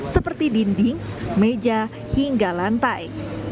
seperti dinding meja hingga lantai